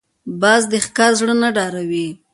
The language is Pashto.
باز د ښکار زړه نه ډاروي